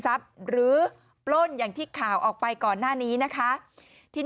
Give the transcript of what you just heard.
หรือปล้นอย่างที่ข่าวออกไปก่อนหน้านี้นะคะทีนี้